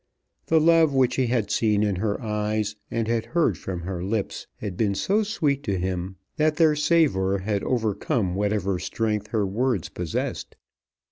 The love which he had seen in her eyes and had heard from her lips had been so sweet to him, that their savour had overcome whatever strength her words possessed.